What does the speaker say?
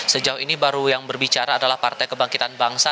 sejauh ini baru yang berbicara adalah partai kebangkitan bangsa